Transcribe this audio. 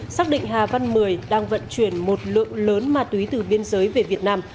xác định hà văn mười đang vận chuyển một lượng lớn ma túy từ biên giới về việt nam